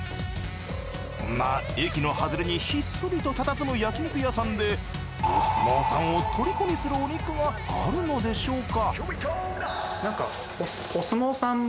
そんな駅のはずれにひっそりと佇む焼肉屋さんでお相撲さんをとりこにするお肉があるのでしょうか。